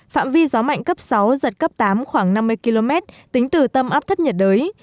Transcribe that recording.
phạm vi gió mạnh cấp sáu giật cấp tám khoảng năm mươi km tính từ tâm áp thấp nhiệt đới